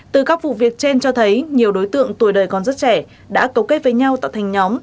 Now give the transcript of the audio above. từ các vụ việc trên cho thấy nhiều đối tượng tuổi đời còn rất trẻ đã cấu kết với nhau tạo thành nhóm